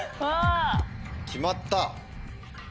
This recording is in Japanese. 決まった。